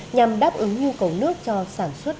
nhằm đáp ứng nhu cầu nước cho sản xuất